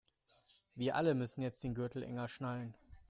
Wir alle müssen jetzt den Gürtel enger schnallen.